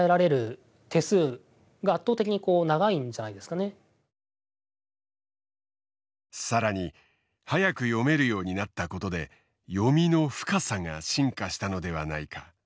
恐らくこう本当に更に速く読めるようになったことで読みの深さが進化したのではないか。